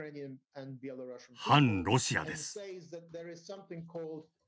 「汎ロシア」です。